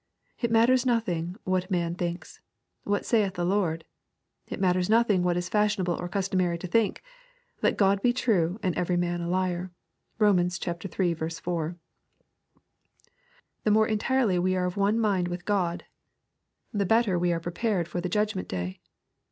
It matters nothing what man thinks. "What saith the Lord ?"— It matters nothing what it is fashionable or customary to think. '* Let God be true, and every man a liar." (Rom. iii 4.) The more entirely we are of one mind with God, the bettei 208 EXPOSITORY TCOUOHTS. we are prepared for the judgment day.